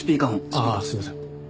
ああすいません。